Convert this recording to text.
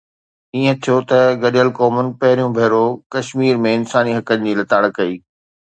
ائين ٿيو ته گڏيل قومن پهريون ڀيرو ڪشمير ۾ انساني حقن جي لتاڙ ڪئي